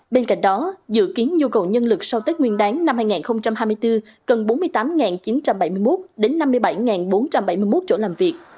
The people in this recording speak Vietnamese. bên cạnh đó dự kiến nhu cầu nhân lực sau tết nguyên đáng năm hai nghìn hai mươi bốn cần bốn mươi tám chín trăm bảy mươi một đến năm mươi bảy bốn trăm bảy mươi một chỗ làm việc